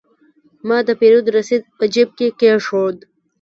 ما د پیرود رسید په جیب کې کېښود.